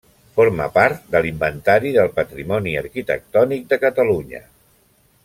Forma part de l'Inventari del Patrimoni Arquitectònic de Catalunya.